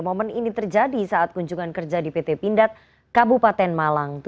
momen ini terjadi saat kunjungan kerja di pt pindad kabupaten malang